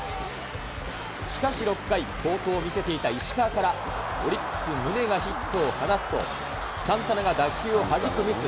しかし６回、好投を見せていた石川からオリックス、宗が放つと、サンタナが打球をはじくミス。